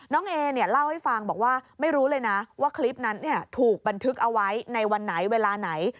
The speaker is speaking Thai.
เอเนี่ยเล่าให้ฟังบอกว่าไม่รู้เลยนะว่าคลิปนั้นถูกบันทึกเอาไว้ในวันไหนเวลาไหน